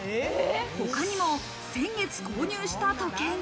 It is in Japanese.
他にも先月購入した時計が。